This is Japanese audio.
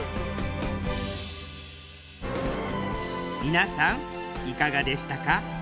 皆さんいかがでしたか？